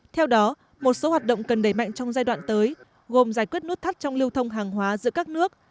theo đó một số hoạt động cần đẩy mạnh trong giai đoạn tới gồm giải quyết nút thắt trong lưu thông hàng hóa giữa các nước